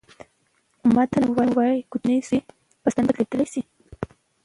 متل وایي کوچنی سوری په ستن بندېدلای شي.